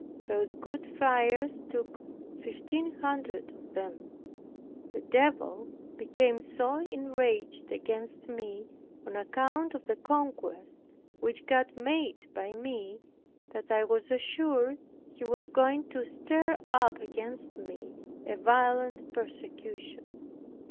Those good friars took fifteen hundred of them. The devil became so enraged against me on account of the conquest which God made by me, that I was assured he was going to stir up against me a violent persecution.